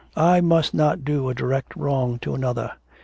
'I must not do a direct wrong to another.